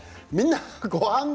「みんな！